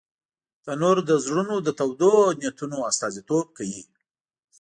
تنور د زړونو د تودو نیتونو استازیتوب کوي